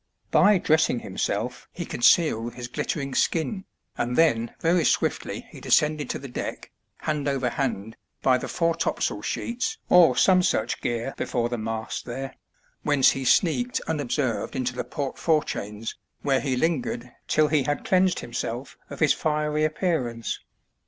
By dressing himself he concealed his glitter ing skin, and then very swiftly he descended to the deck, hand over hand, by the foretopsail sheets or some such gear before the mast there, whence he sneaked unobserved into the port forechains, where he lingered till he had cleansed himself of his fiery appearance.